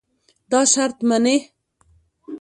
دا شرط منې.